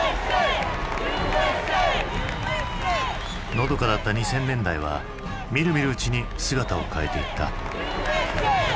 のどかだった２０００年代はみるみるうちに姿を変えていった。